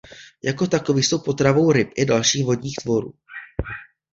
Jako takoví jsou potravou ryb i dalších vodních tvorů.